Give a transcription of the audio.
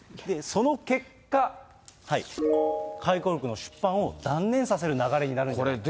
その結果、回顧録の出版を断念させる流れになるんではないかと。